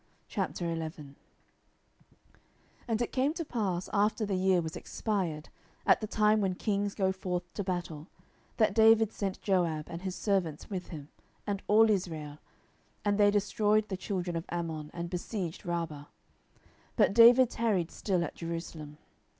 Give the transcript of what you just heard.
10:011:001 And it came to pass, after the year was expired, at the time when kings go forth to battle, that David sent Joab, and his servants with him, and all Israel; and they destroyed the children of Ammon, and besieged Rabbah. But David tarried still at Jerusalem.